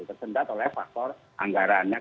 tersendat oleh faktor anggaran